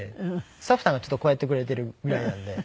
スタッフさんがちょっとこうやってくれているぐらいなんで。